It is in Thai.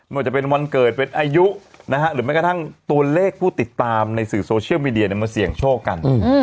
ว่าจะเป็นวันเกิดเป็นอายุหรือแม้กระทั่งตัวเลขผู้ติดตามในสื่อโซเชียลมีเดียมาเสี่ยงโชคกัน